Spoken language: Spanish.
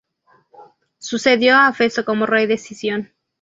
Sucedió a Festo como rey de Sición.